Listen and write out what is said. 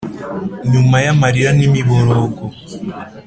nyuma y’amarira n’imiborogo